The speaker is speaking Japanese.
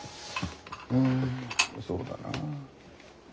うんそうだな。